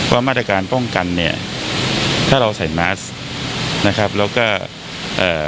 ว่ามาตรการป้องกันเนี่ยถ้าเราใส่แมสนะครับแล้วก็เอ่อ